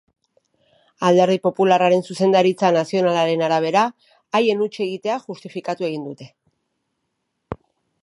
Alderdi popularraren zuzendaritza nazionalaren arabera, haien huts egitea justifikatu egin dute.